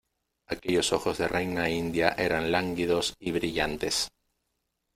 aquellos ojos de reina india eran lánguidos y brillantes: